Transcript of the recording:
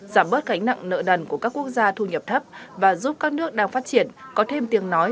giảm bớt gánh nặng nợ đần của các quốc gia thu nhập thấp và giúp các nước đang phát triển có thêm tiếng nói